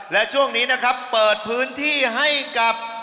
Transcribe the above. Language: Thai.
และช่วงนี้นะครับเปิดพื้นที่ให้กับ